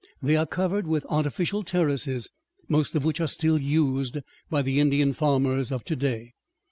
They are covered with artificial terraces, most of which are still used by the Indian farmers of to day.